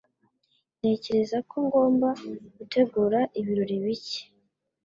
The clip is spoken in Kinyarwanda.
Ntekereza ko ngomba gutegura ibirori bike.